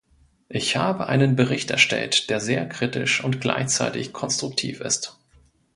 Ich habe einen Bericht erstellt, der sehr kritisch und gleichzeitig konstruktiv ist.